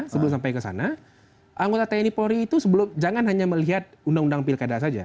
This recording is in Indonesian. sebelum sampai ke sana anggota tni polri itu jangan hanya melihat undang undang pilkada saja